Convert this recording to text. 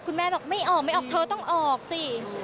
แม่บอกไม่ออกไม่ออกเธอต้องออกสิ